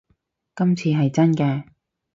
今次係真嘅